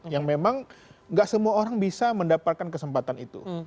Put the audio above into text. yang memang gak semua orang bisa mendapatkan kesempatan itu